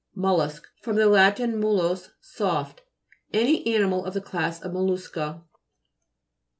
MOLLUSK fr. lat. mollis, soft. Any animal of the class of mollusca.